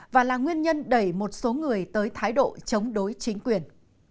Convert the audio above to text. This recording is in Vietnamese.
và là nguyên nhân đẩy một số người tới thái độ chống đối chính quyền